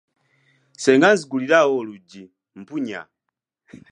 Senga nzigulirawo oluggi, mpunya.